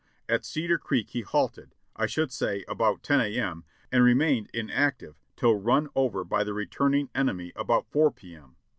At Cedar Creek he halted, I should say about 10 a. m., and remained inactive till run over by the returning enemy about 4 p. m.